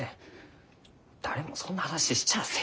誰もそんな話しちゃあせん。